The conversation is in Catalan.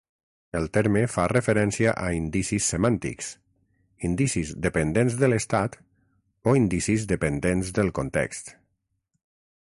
El terme fa referència a "indicis semàntics", indicis "dependents de l'estat" o indicis "dependents del context".